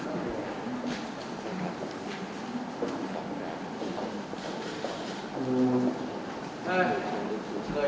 สวัสดีครับ